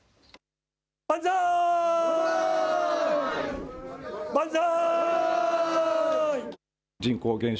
万歳、万歳。